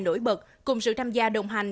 nổi bật cùng sự tham gia đồng hành